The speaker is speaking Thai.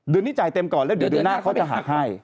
เดือนนี้จ่ายเต็มก่อนแล้วเดี๋ยวเดือนหน้าเขาจะหักให้